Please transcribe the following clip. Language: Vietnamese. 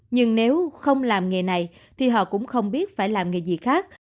nhưng nếu không làm nghề này thì họ cũng không biết phải làm nghề gì khác